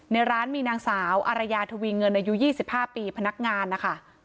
ในร้านมีนางสาวอารยาทวีเงินอายุ๒๕ปีพนักงานนะคะ